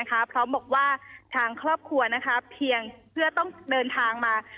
พร้อมบอกว่าทางครอบครัวเพียงเพื่อต้องเดินทางมา